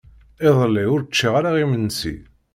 Iḍelli ur ččiɣ ara imensi.